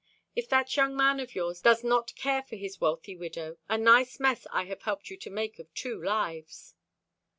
If that young man of yours does not care for his wealthy widow, a nice mess I have helped you to make of two lives."